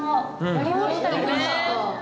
やりました。